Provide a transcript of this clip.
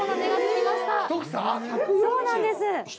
そうなんです。